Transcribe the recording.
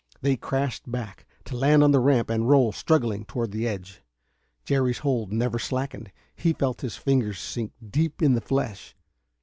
They crashed back, to land on the ramp and roll, struggling, toward the edge. Jerry's hold never slackened. He felt his fingers sink deep in the flesh.